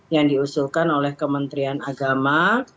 yang diusulkan oleh kementerian agama